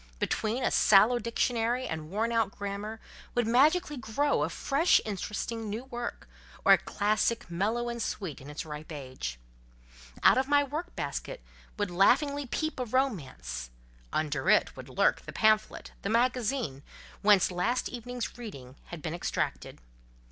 Between a sallow dictionary and worn out grammar would magically grow a fresh interesting new work, or a classic, mellow and sweet in its ripe age. Out of my work basket would laughingly peep a romance, under it would lurk the pamphlet, the magazine, whence last evening's reading had been extracted.